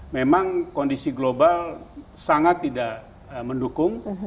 memang kondisi global sangat tidak mendukung